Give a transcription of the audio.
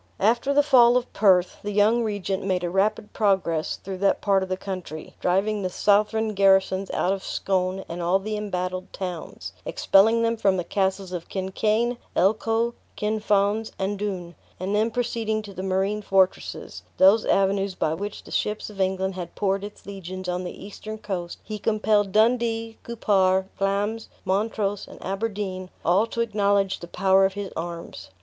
After the fall of Perth, the young regent made a rapid progress through that part of the country; driving the southron garrisons out of Scone, and all the embattled towns; expelling them from the castles of Kincain, Elcho, Kinfauns, and Doune; and then proceeding to the marine fortresses (those avenues by which the ships of England had poured its legions on the eastern coast), he compelled Dundee, Cupar, Glamis, Montrose, and Aberdeen, all to acknowledge the power of his arms.